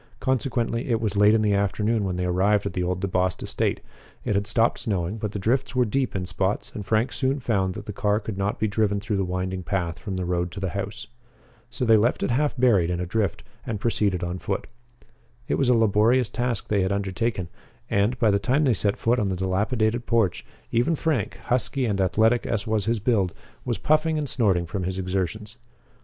Consequently, it was late in the afternoon when they arrived at the old DeBost estate. It had stopped snowing, but the drifts were deep in spots, and Frank soon found that the car could not be driven through the winding path from the road to the house. So they left it half buried in a drift and proceeded on foot. It was a laborious task they had undertaken, and, by the time they set foot on the dilapidated porch, even Frank, husky and athletic as was his build, was puffing and snorting from his exertions.